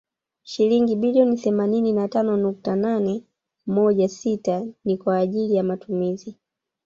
Shilingi bilioni themanini na tano nukta nane moja sita ni kwa ajili ya matumizi